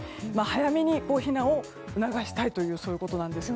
早めに避難を促したいということです。